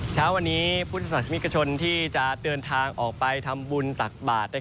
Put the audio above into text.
เช้าวันนี้พุทธศักดิ์ชมิตรกระชนที่จะเตือนทางออกไปทำบุญตักบาท